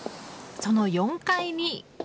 その４階に。